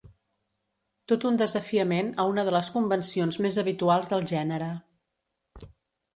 Tot un desafiament a una de les convencions més habituals del gènere.